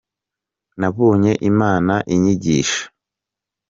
Nabonye Imana inyigisha.